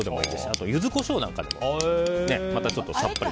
あと、ユズコショウなんかでもさっぱりと。